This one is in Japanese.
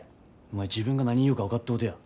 お前自分が何言うか分かっとうとや。